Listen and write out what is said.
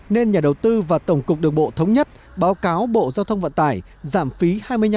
nên nhà đầu tư và tổng cục đường bộ thống nhất báo cáo bộ giao thông vận tải giảm phí hai mươi năm